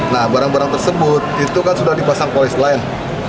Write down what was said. nah barang barang tersebut itu kan sudah dipasang polis lain